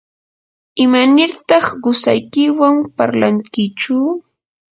¿imanirtaq qusaykiwan parlankichu?